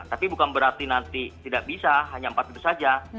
tapi bukan berarti nanti tidak bisa hanya empat itu saja